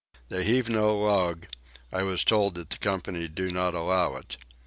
They heave no log: I was told that the company do not allow it.